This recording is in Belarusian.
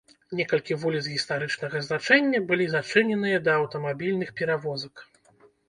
Некалькі вуліц гістарычнага значэння былі зачыненыя да аўтамабільных перавозак.